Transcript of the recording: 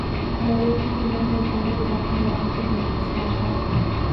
dollar کی قیمت میں اچانک اضافہ حیران کن ہے اسحاق ڈار